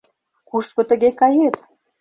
Кушко тыге кает?